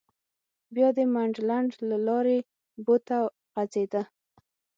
بیا د منډلنډ له لارې بو ته غځېده.